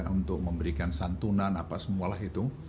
untuk memberikan santunan apa semualah itu